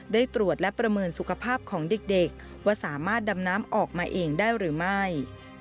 ได้ตรวจและประเมินสุขภาพของเด็กว่าสามารถดำน้ำออกมาเองได้หรือไม่